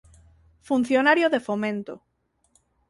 Funcionario de Fomento.